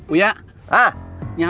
nyalain musiknya doang